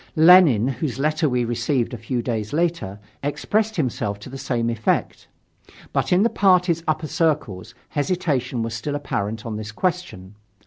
Lenin, whose letter we received a few days later, expressed himself to the same effect. But in the party's upper circles hesitation was still apparent on this question.